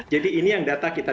jadi ini yang data kita